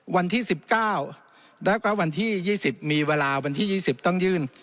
วันที่๑๙แล้วก็วันที่๒๐มีเวลาวันที่๒๐ต้องยื่น